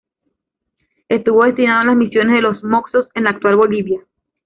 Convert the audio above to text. Estuvo destinado en las misiones de los Moxos, en la actual Bolivia.